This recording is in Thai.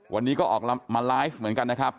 วันนี้ก็ออกมาไลฟ์เหมือนกันนะครับ